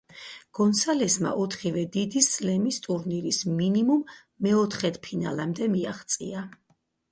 გონსალესმა ოთხივე დიდი სლემის ტურნირის მინიმუმ მეოთხედფინალამდე მიაღწია.